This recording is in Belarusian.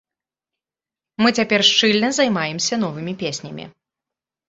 Мы цяпер шчыльна займаемся новымі песнямі.